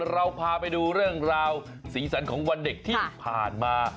เราพาไปดูเรื่องราวสีสันของวันเด็กที่ผ่านมา